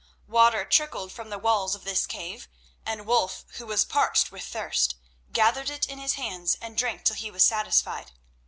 Water trickled from the walls of this cave, and Wulf, who was parched with thirst, gathered it in his hands and drank till he was satisfied.